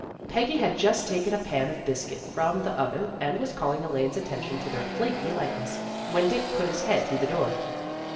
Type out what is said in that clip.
Peggy had just taken a pan of biscuit from the oven, and was calling Elaine's attention to their flaky lightness, when Dick put his head through the door.